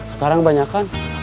sekarang banyak kan